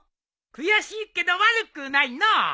悔しいけど悪くないのう。